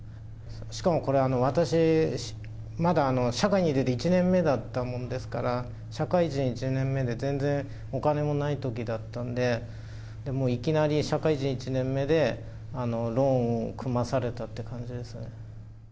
しかもこれ、私、まだ社会に出て１年目だったもんですから、社会人１年目で、全然お金もないときだったんで、もういきなり社会人１年目で、ローンを組まされたって感じですね。